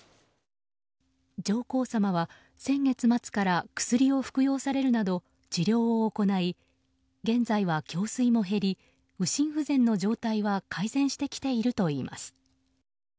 上皇さまは先月末から薬を服用されるなど治療を行い、現在は胸水も減り右心不全の状態は改善してきているといいます。